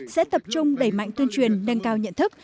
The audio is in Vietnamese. sẽ tập trung đẩy mạnh tuyên truyền nâng cao nhận thức